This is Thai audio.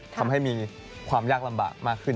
ทำให้มีความยากลำบากมากขึ้น